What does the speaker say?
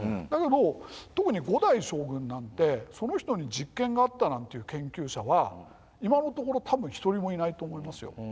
だけど特に五代将軍なんてその人に実権があったなんて言う研究者は今のところ多分１人もいないと思いますよ。